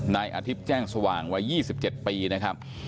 นายอาทิตย์แจ้งสว่างวัย๒๗ปีนะครับ